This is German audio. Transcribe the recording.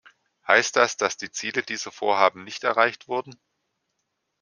Heißt dass, dass die Ziele dieser Vorhaben nicht erreicht wurden?